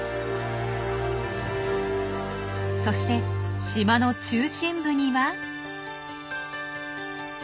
そして島の中心部には。